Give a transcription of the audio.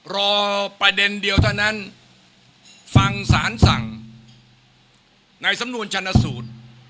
รอประเด็นเดียวเท่านั้นฟังสารสั่งในสำนวนชันสูตร